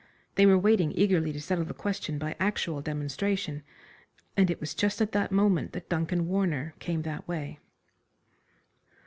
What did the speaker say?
They were waiting eagerly to settle the question by actual demonstration, and it was just at that moment that Duncan Warner came that way.